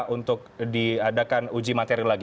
untuk diadakan uji materi lagi